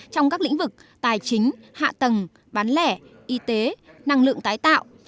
trong các lĩnh vực tài chính hạ tầng bán lẻ y tế năng lượng tái tạo